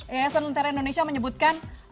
yayasan lentera indonesia menyebutkan